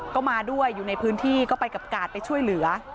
ก็มาด้วยอยู่ในพื้นที่ก็ไปกับกาดไปช่วยเหลือ